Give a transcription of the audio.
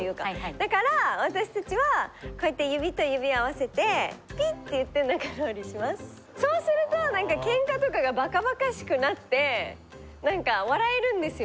だから私たちはこうやって指と指を合わせてそうするとケンカとかがバカバカしくなってなんか笑えるんですよ。